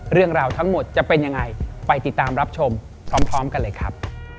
เรื่องราวทั้งหมดจะเป็นยังไงไปติดตามรับชมพร้อมกันเลยครับ